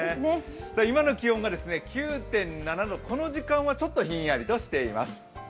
今の気温が９．７度、この時間はちょっとひんやりとしています。